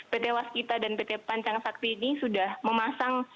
pt waskita dan pt pancang sakti ini sudah memasang